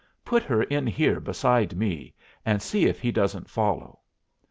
Put her in here beside me, and see if he doesn't follow."